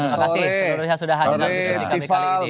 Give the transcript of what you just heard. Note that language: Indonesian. terima kasih seluruh yang sudah hadir di sosial media kali ini